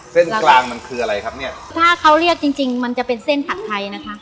เส้นกลางมันคืออะไรครับเนี่ยถ้าเขาเรียกจริงจริงมันจะเป็นเส้นผัดไทยนะคะ